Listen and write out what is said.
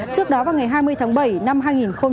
trước đó vào ngày hai mươi tháng bảy năm hai nghìn chín